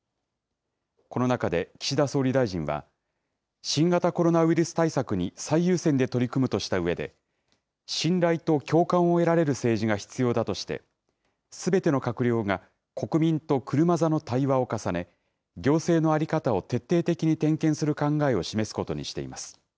この中で岸田総理大臣は、新型コロナウイルス対策に最優先で取り組むとしたうえで、信頼と共感を得られる政治が必要だとして、すべての閣僚が国民と車座の対話を重ね、行政の在り方を徹底的に点検する考えを示すことにしています。